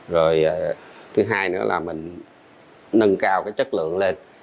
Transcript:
rồi thứ hai nữa là mình nâng cao cái chất lượng lên